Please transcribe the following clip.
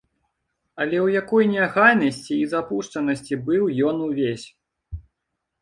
Але ў якой неахайнасці і запушчанасці быў ён увесь!